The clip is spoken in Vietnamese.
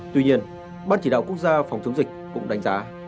tuy nhiên ban chỉ đạo quốc gia phòng chống dịch cũng đánh giá